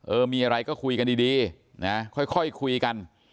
เออมีอะไรก็คุยกันดีนะค่อยคุยกัน